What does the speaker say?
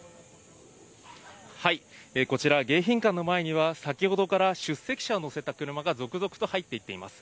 こちら、迎賓館の前には、先ほどから出席者を乗せた車が続々と入っていっています。